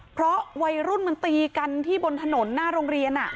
เพราะวัยรุ่นมันตีกันที่บนถนนหน้าโรงเรียน